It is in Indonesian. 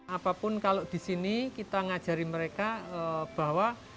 apapun kalau di sini kita ngajari mereka bahwa